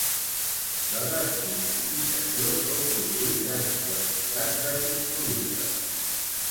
La desnitrificació sol produir grans quantitats de subproductes.